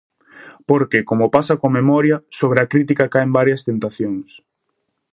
Porque, como pasa coa memoria, sobre a crítica caen varias tentacións.